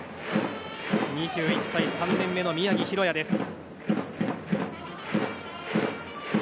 ２１歳、３年目の宮城大弥です。